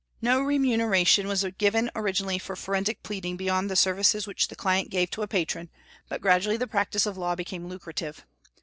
No remuneration was given originally for forensic pleading beyond the services which the client gave to a patron, but gradually the practice of the law became lucrative.